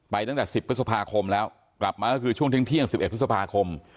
ตั้งแต่๑๐พฤษภาคมแล้วกลับมาก็คือช่วงเที่ยง๑๑พฤษภาคม